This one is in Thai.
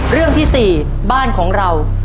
เรื่องที่๔บ้านของเรา